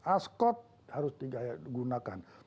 ascot harus digunakan